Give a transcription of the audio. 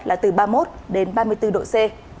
là từ ba mươi một đến ba mươi bốn độ c